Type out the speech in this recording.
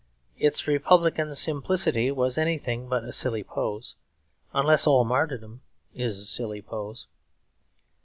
Its Republican simplicity was anything but a silly pose; unless all martyrdom is a silly pose.